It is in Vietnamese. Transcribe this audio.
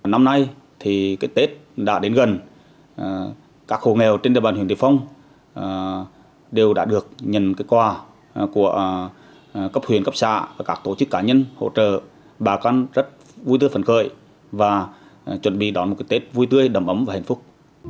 năm nay tết đã đến gần các khu nghèo trên địa bàn huyện triệu phong đều đã được nhận quà của cấp huyện cấp xã và các tổ chức cá nhân hỗ trợ bà con rất vui tươi phần cười và chuẩn bị đón một tết vui tươi đầm ấm và hạnh phúc